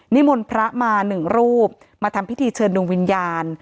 มนต์พระมาหนึ่งรูปมาทำพิธีเชิญดวงวิญญาณ